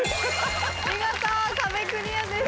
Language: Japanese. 見事壁クリアです。